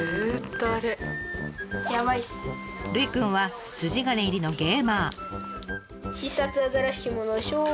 ルイくんは筋金入りのゲーマー。